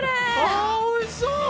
あおいしそう！